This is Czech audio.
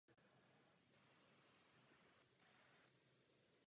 Hrad byl postaven mezi třemi mohutnými skalními útvary.